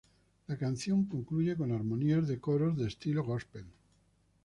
La canción concluye con "armonías de coros de estilo gospel".